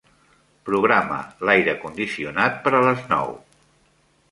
Programa l'aire condicionat per a les nou.